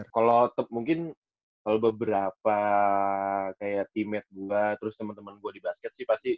kalo mungkin kalo beberapa kayak teammate gua terus temen temen gua di basket sih pasti